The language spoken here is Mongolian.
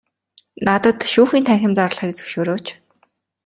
Надад шүүхийн танхим зарлахыг зөвшөөрөөч.